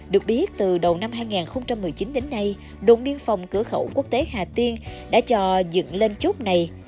được biết từ đầu năm hai nghìn một mươi chín đến nay đồn biên phòng cửa khẩu quốc tế hà tiên đã cho dựng lên chốt này